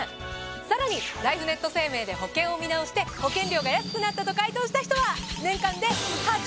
さらにライフネット生命で保険を見直して保険料が安くなったと回答した人は。